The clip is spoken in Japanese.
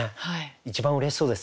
一番うれしそうです